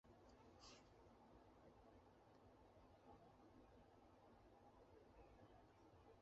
大批原效忠于伪满洲国及日本政权的人物选择投靠于国民政府。